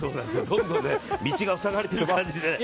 どんどん道が塞がれてる感じで。